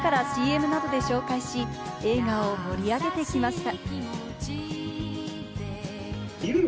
公開前からＣＭなどで紹介し、映画を盛り上げてきました。